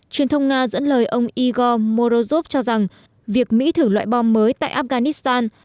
truyền thông nga dẫn lời ông igor morozov cho rằng việc mỹ thử loại bom mới tại afghanistan